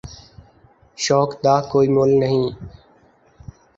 شوق دا کوئ مُل نہیں۔